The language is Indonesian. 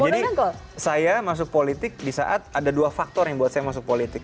jadi saya masuk politik di saat ada dua faktor yang buat saya masuk politik